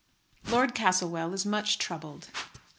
LORD CASTLEWELL IS MUCH TROUBLED.